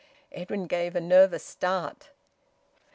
Edwin gave a nervous start.